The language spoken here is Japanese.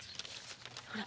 ほら。